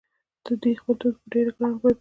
دوی خپل توکي په ډېره ګرانه بیه پلوري